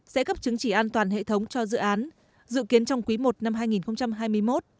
sẽ cấp chứng chỉ an toàn hệ thống cho dự án dự kiến trong quý i năm hai nghìn hai mươi một